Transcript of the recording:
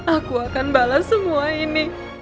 aku akan balas semua ini